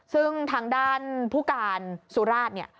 ซึ่งทางด้านผู้การสุราชเนี่ย